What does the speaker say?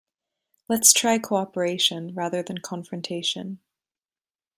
Let's try cooperation, rather than confrontation.